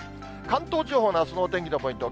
関東地方のあすのお天気のポイント。